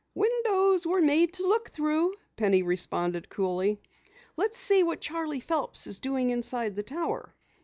"Windows were made to look through," Penny responded coolly. "Let's see what Charley Phelps is doing inside the tower."